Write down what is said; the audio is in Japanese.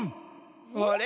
あれ？